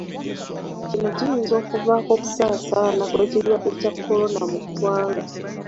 Kino kiyinza okuvaako okusaasaana kw'ekirwadde kya Kolona mu ggwanga.